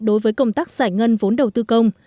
đối với công tác giải ngân vốn đầu tư công